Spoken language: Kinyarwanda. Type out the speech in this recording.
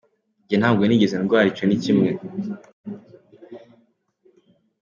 Njyewe nabwo nigeze ndwana icyo ni kimwe.